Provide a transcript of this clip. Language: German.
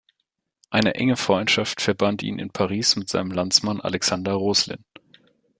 Eine enge Freundschaft verband ihn in Paris mit seinem Landsmann Alexander Roslin.